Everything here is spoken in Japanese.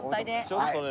ちょっとね。